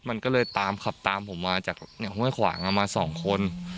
มันก็เลยตามขับตามผมมาจากห้วยขวางมาสองคน